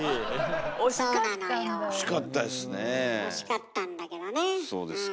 惜しかったんだけどねうん。